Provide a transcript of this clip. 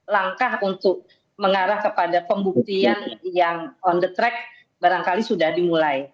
langkah untuk mengarah kepada pembuktian yang on the track barangkali sudah dimulai